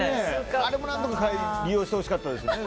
あれも、何とか利用してほしかったですね。